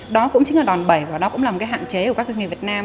đó cũng chính là đòn bẩy và đó cũng là một cái hạn chế của các doanh nghiệp việt nam